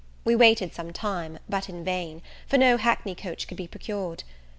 We waited some time, but in vain; for no hackney coach could be procured.